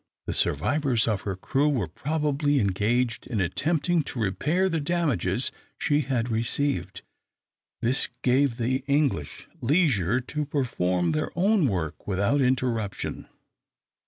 The survivors of her crew were probably engaged in attempting to repair the damages she had received. This gave the English leisure to perform their own work without interruption.